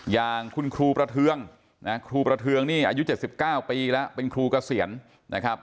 อย่างคุณครูประเทืองนะครูประเทืองนี่อายุ๗๙ปีแล้วเป็นครูเกษียณนะครับ